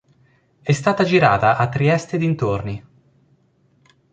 È stata girata a Trieste e dintorni.